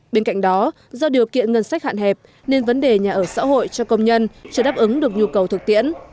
bên cạnh đó do điều kiện ngân sách hạn hẹp nên vấn đề nhà ở xã hội cho công nhân chưa đáp ứng được nhu cầu thực tiễn